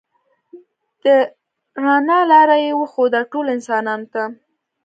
د رڼا لاره یې وښوده ټولو انسانانو ته.